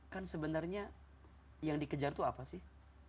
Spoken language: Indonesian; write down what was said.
kan sebenarnya yang dikejar tuh apa sih